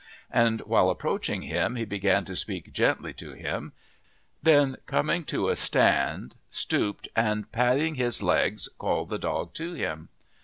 And while approaching him he began to speak gently to him, then coming to a stand stooped and patting his legs called the dog to him.